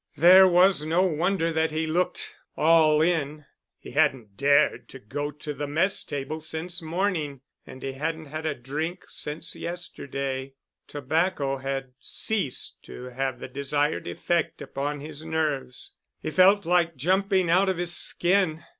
There was no wonder that he looked "all in." He hadn't dared to go to the mess table since morning and he hadn't had a drink since yesterday. Tobacco had ceased to have the desired effect upon his nerves. He felt like jumping out of his skin.